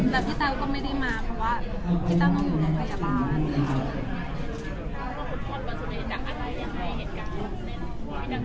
แล้วพี่แต้วก็ไม่ได้มาเพราะว่าพี่แต้วต้องอยู่โรงพยาบาล